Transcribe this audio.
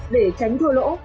để tránh thua lỗ